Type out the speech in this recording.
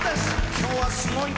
今日はすごいで。